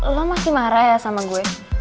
lo masih marah ya sama gue